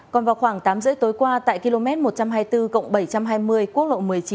còn vào khoảng tám h ba mươi tối qua tại km một trăm hai mươi bốn bảy trăm hai mươi quốc lộ một mươi chín